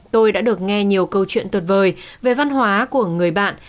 tôi đã được nghe nhiều câu chuyện tuyệt vời về văn hóa của người bạn